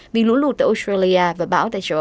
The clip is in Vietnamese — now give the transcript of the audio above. vì lũ lụt tại australia và bão tại georgia